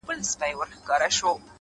وېرېږم مينه مو له زړونو څخه وانه لوزي!!